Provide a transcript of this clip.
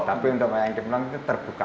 tapi untuk wayang timplong itu terbuka